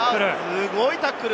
すごいタックル。